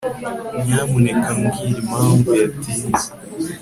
Nyamuneka mbwira impamvu yatinze